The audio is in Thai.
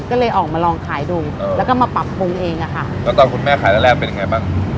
ก็เลยออกมาลองขายดูเออแล้วก็มาปรับปรุงเองอะค่ะแล้วตอนคุณแม่ขายแรกแรกเป็นยังไงบ้าง